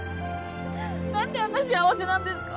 何であんな幸せなんですか？